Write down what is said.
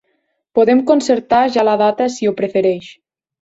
Podem concertar ja la data si ho prefereix.